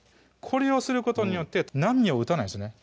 これをすることによって波を打たないんですね